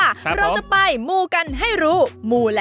เมื่อเราจะไปมูลกันให้รู้